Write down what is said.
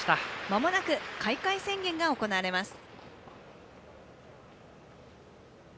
まもなく開会宣言が行われます。